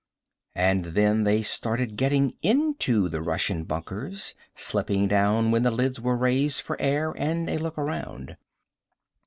And then they started getting into the Russian bunkers, slipping down when the lids were raised for air and a look around.